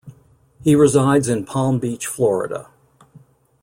He resides in Palm Beach, Florida.